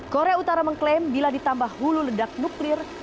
korea utara mengklaim bila ditambah hulu ledak nuklir